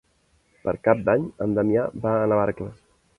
Per Cap d'Any en Damià va a Navarcles.